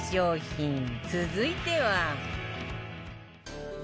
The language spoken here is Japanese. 続いては